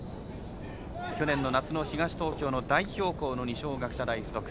去年の夏の東東京の代表校の二松学舎大付属。